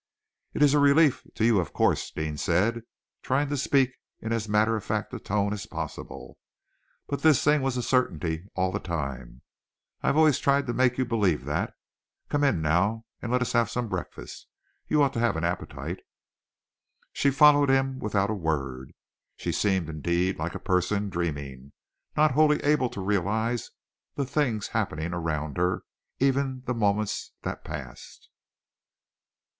"It is a relief to you, of course," Deane said, trying to speak in as matter of fact a tone as possible; "but this thing was a certainty all the time. I have always tried to make you believe that. Come in now, and let us have some breakfast. You ought to have an appetite." She followed him without a word. She seemed, indeed, like a person dreaming, not wholly able to realize the things happening around her, even the moments that passed.